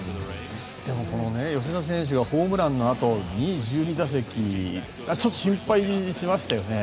でも、吉田選手がホームランのあと１２打席ちょっと心配しましたよね。